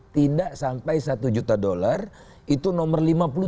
tidak sampai satu juta dolar itu nomor lima puluh tujuh